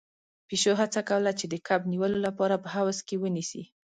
پيشو هڅه کوله چې د کب نيولو لپاره په حوض کې ونيسي.